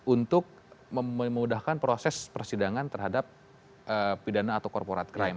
untuk memudahkan proses persidangan terhadap pidana atau corporate crime